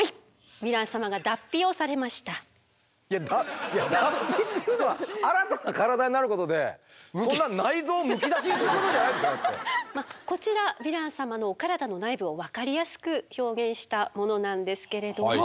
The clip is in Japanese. ヴィラン様がいや脱皮っていうのは新たな体になることでそんなこちらヴィラン様のお体の内部を分かりやすく表現したものなんですけれども。